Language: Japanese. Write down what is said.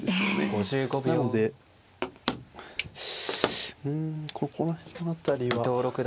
なのでうんここの辺りは。